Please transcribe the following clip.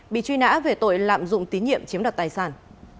bị truy nã về tội lạm dụng tín nhiệm chiếm đoạt tài sản